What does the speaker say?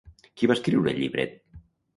Qui va escriure el llibret?